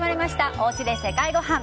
おうちで世界ごはん。